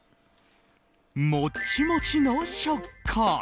もっちもちの食感！